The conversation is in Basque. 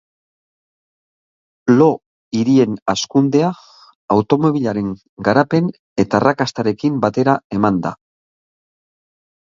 Lo-hirien hazkundea automobilaren garapen eta arrakastarekin batera eman da.